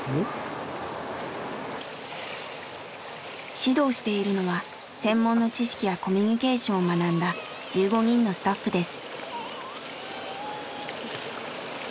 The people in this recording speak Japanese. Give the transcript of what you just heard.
指導しているのは専門の知識やコミュニケーションを学んだ１５人のスタッフです。